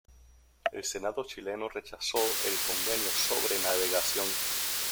El Senado chileno rechazó el convenio sobre navegación.